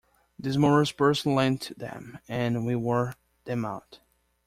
This morose person lent them, and we wore them out.